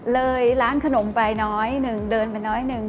เลยร้านขนมไปน้อยหนึ่งเดินไปน้อยหนึ่ง